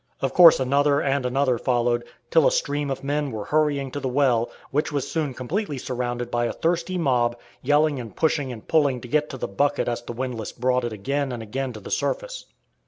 Of course another and another followed, till a stream of men were hurrying to the well, which was soon completely surrounded by a thirsty mob, yelling and pushing and pulling to get to the bucket as the windlass brought it again and again to the surface.